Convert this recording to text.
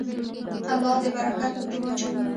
الله دې برکت پکې واچوي.